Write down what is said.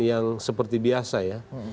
yang seperti biasa ya